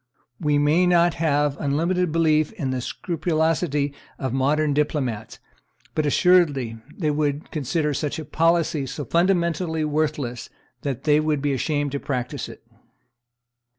We may not have unlimited belief in the scrupulosity of modern diplomats; but assuredly they would consider such a policy so fundamentally worthless that they would be ashamed to practise it.